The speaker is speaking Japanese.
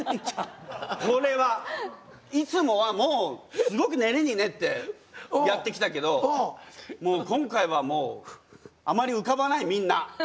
これはいつもはもうすごく練りに練ってやってきたけどもう今回はあまり浮かばないみんな。